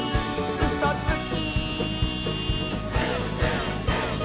「うそつき！」